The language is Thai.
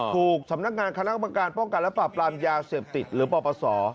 ถูกสำนักงานคณะกรรมการป้องกันและปรับปรามยาเสพติดหรือปปศ